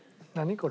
これ。